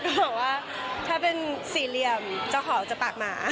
บอกว่าถ้าเป็นสี่เหลี่ยมเจ้าของจะปากหมา